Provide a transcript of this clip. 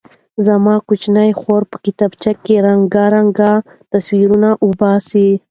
زما کوچنۍ خور په کتابچه کې رنګارنګ تصویرونه وباسي.